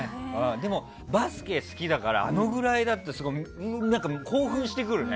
でもバスケ好きだからあれぐらいだと興奮してくるね。